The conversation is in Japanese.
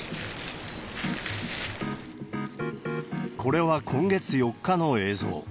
これは今月４日の映像。